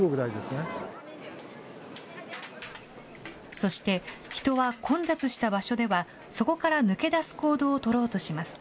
そして、人は混雑した場所では、そこから抜け出す行動を取ろうとします。